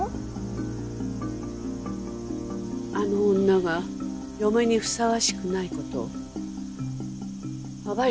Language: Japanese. あの女が嫁にふさわしくない事を暴いてやるの。